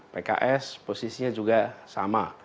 pks posisinya juga sama